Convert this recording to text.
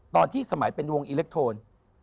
ตอนที่สมัยเป็นวงอิเล็กโทน